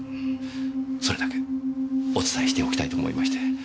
それだけお伝えしておきたいと思いまして。